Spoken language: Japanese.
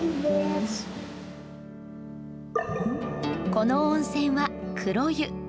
この温泉は、黒湯。